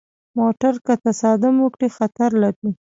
موټر که تصادم وکړي، خطر لري.